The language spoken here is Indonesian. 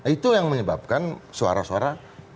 itu yang menyebabkan suara suara